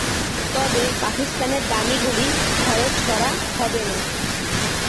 তবে পাকিস্তানের দামি গুলি খরচ করা হবে না।